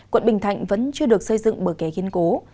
quận bình thạnh vẫn chưa được xây dựng bờ ké khiến cố